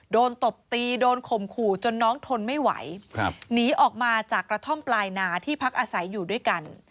ตบตีโดนข่มขู่จนน้องทนไม่ไหวหนีออกมาจากกระท่อมปลายนาที่พักอาศัยอยู่ด้วยกัน